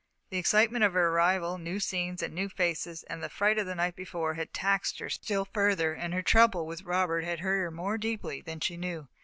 The excitement of her arrival, new scenes and new faces, and the fright of the night before had taxed her still further, and her trouble with Robert had hurt her more deeply than she knew.